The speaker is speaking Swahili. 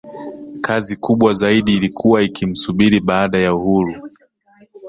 Kazi kubwa zaidi ilikuwa ikimsubiri baada ya uhuru